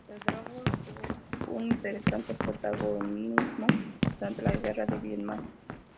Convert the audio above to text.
El Dragonfly tuvo un interesante protagonismo durante la guerra de Vietnam.